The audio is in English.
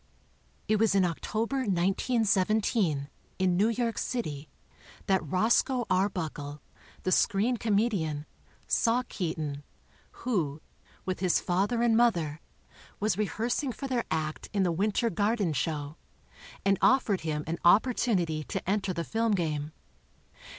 It was in October, 1917, in New York City, that Roscoe Arbuckle, the screen comedian, saw Keaton, who, with his father and mother, was rehearsing for their act in the W inter Garden show, and offered him an oppor tunity to enter the film game.